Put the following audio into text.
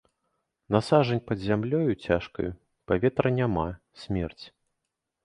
На сажань пад зямлёю цяжкаю, паветра няма, смерць.